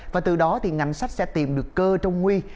và từ đó thì ngành sách sẽ tìm được cơ trong nguy